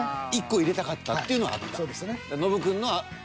１個入れたかったっていうのはあった。